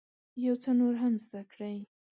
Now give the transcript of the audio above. یو څه نور هم زده کړئ.